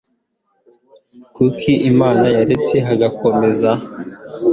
kuki imana yaretse hagakomeza